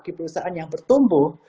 di perusahaan yang bertumbuh